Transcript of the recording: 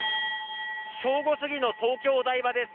正午すぎの東京・お台場です。